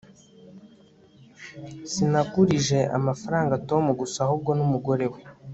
sinagurije amafaranga tom gusa, ahubwo n'umugore we